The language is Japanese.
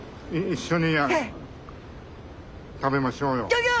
ギョギョ！